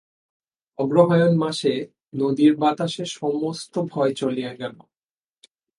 অগ্রহায়ণ মাসে নদীর বাতাসে সমস্ত ভয় চলিয়া গেল।